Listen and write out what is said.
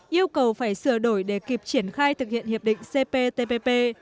yêu cầu phải sửa đổi để kịp triển khai thực hiện hiệp định cptpp